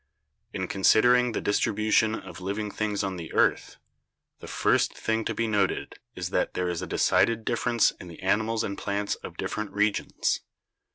In considering the distribu tion of living things on the earth, the first thing to be noted is that there is a decided difference in the animals and plants of different regions.